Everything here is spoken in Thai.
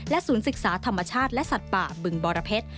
และศูนย์ศิกษาธรรมชาติและศัตริปะบึงบรเผ็ด